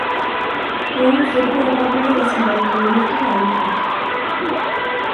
Jo, fru Sjöholm och hennes man kommer jag mycket väl ihåg.